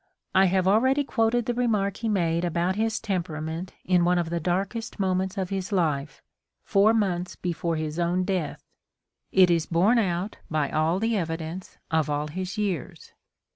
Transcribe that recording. I have already quoted the remark he made about his temperament in one of the darkest moments of his life, four months before his own death. It is borne out by all the evidence of all his years.